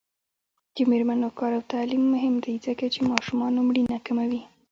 د میرمنو کار او تعلیم مهم دی ځکه چې ماشومانو مړینه کموي.